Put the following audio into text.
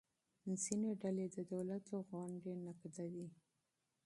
ځینې ډلې د دولت پروګرامونه نقدوي.